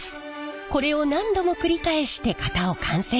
これを何度も繰り返して型を完成させているんです。